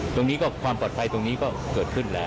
ตรงนี้ก็ความปลอดภัยตรงนี้ก็เกิดขึ้นแล้ว